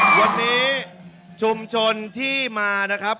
วันนี้ชุมชนที่มานะครับ